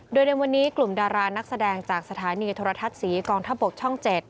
โดยในวันนี้กลุ่มดารานักแสดงจากสถานีโทรทัศน์ศรีกองทัพบกช่อง๗